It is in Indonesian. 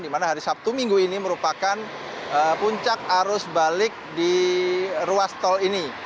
di mana hari sabtu minggu ini merupakan puncak arus balik di ruas tol ini